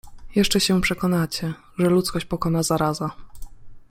Jeszcze się przekonacie, że ludzkość pokona zaraza.